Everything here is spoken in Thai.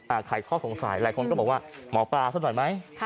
ขายข้อสงสัยหลายคนก็บอกว่าหมอปลาซะหน่อยไหม